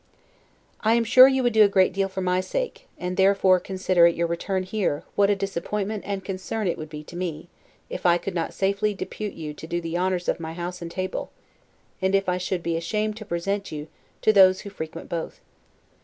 I am sure you would do a great deal for my sake; and therefore consider at your return here, what a disappointment and concern it would be to me, if I could not safely depute you to do the honors of my house and table; and if I should be ashamed to present you to those who frequent both.